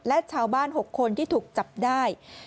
และชาวบ้าน๖คนที่ถูกจับได้